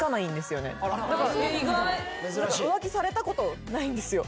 浮気されたことないんですよ